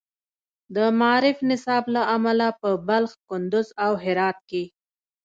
د معارف نصاب له امله په بلخ، کندز، او هرات کې